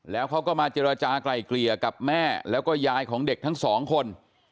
แล้วเขาก็มาเจรจากลายเกลี่ยกับแม่แล้วก็ยายของเด็กทั้งสองคน